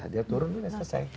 dia turun itu ya selesai